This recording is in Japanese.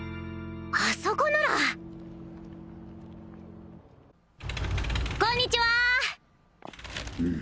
あそこならこんにちはー